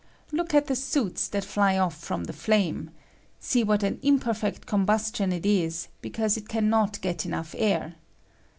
Look at the soots that fly off from the flame ; see what an imperfect com bustion it is, because it can not get enough air.